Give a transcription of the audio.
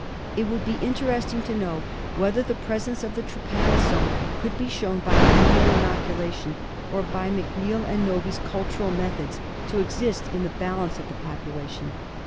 It would be interesting to know whether the presence of the trypanosome could be shown by animal inoculation, or by McNeal and Novy's cultural methods, to exist in the balance of the population.